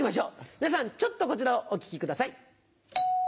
皆さんちょっとこちらをお聴きください。